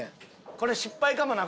これ失敗かもな